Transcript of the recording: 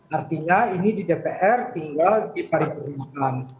artinya ini di dpr tinggal diparipurnakan